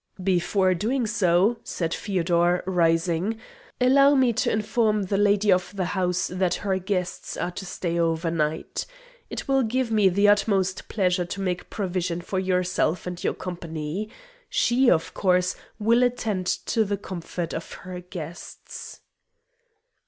"Before doing so," said Feodor rising, "allow me to inform the lady of the house that her guests are to stay over night. It will give me the utmost pleasure to make provision for yourself and your company. She, of course, will attend to the comfort of her guests."